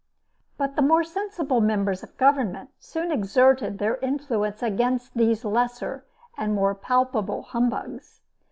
But the more sensible members of Government soon exerted their influence against these lesser and more palpable humbugs.